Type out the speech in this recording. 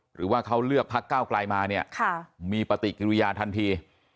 หรือว่าเขาเลือกพักเก้าไกลมาเนี่ยมีปฏิกิริยาทันที